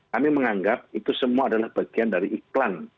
kami menganggap itu semua adalah bagian dari iklan